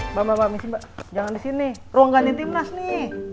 mbak mbak mbak jangan disini ruang ganti tim nas nih